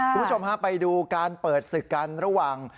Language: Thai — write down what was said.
คุณผู้ชมฮะไปดูการเปิดศึกกันระหว่าง